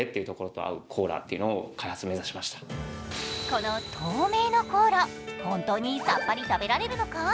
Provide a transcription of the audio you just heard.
この透明のコーラ、本当にさっぱりするのか。